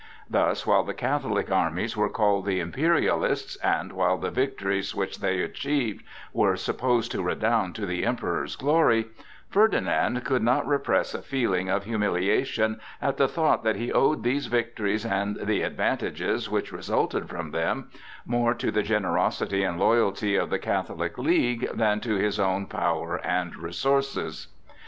Thus, while the Catholic armies were called the Imperialists, and while the victories which they achieved were supposed to redound to the Emperor's glory, Ferdinand could not repress a feeling of humiliation at the thought that he owed these victories and the advantages which resulted from them more to the generosity and loyalty of the Catholic League than to his own power and resources.